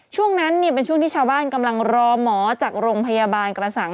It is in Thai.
ช่วงนั้นเป็นช่วงที่ชาวบ้านกำลังรอหมอจากโรงพยาบาลกระสัง